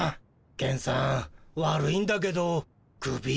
ケンさん悪いんだけどクビ。